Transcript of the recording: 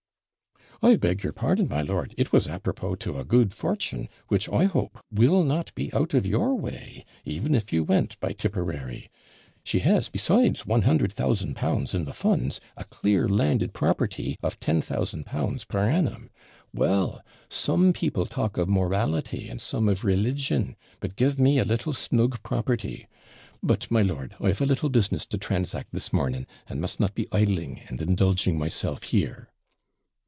'I beg your pardon, my lord, it was apropos to a good fortune, which, I hope, will not be out of your way, even if you went by Tipperary. She has, besides L100,000 in the funds, a clear landed property of L10,000 per annum. WELL! SOME PEOPLE TALK OF MORALITY, AND SOME OF RELIGION, BUT GIVE ME A LITTLE SNUG PROPERTY. But, my lord, I've a little business to transact this morning, and must not be idling and indulging myself here.'